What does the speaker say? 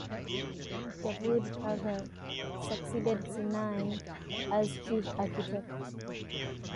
Davud Agha succeeded Sinan as chief architect.